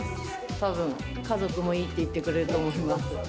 たぶん、家族もいいって言ってくれると思います。